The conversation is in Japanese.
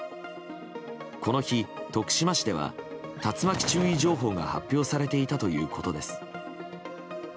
この日、徳島市では竜巻注意情報が発表されていたということです。